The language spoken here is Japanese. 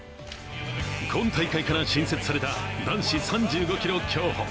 今大会から新設された男子３５ｋｍ競歩。